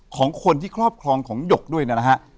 ของคนที่ครอบครองของหยกด้วยนะฮะ